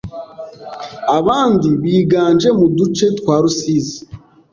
abandi biganje mu duce twa Rusizi